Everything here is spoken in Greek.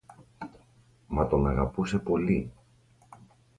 Μα τον αγαπούμε πολύ